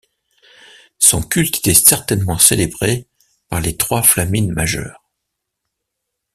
Son culte était certainement célébré par les trois flamines majeurs.